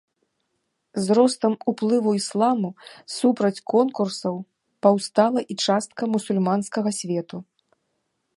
З ростам уплыву ісламу супраць конкурсаў паўстала і частка мусульманскага свету.